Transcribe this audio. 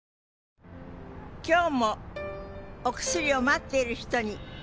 今日もお薬を待っている人に。